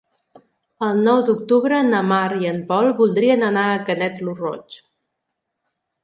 El nou d'octubre na Mar i en Pol voldrien anar a Canet lo Roig.